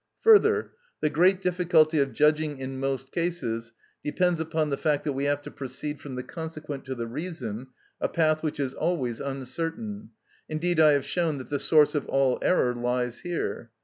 Further, the great difficulty of judging in most cases depends upon the fact that we have to proceed from the consequent to the reason, a path which is always uncertain; indeed I have shown that the source of all error lies here.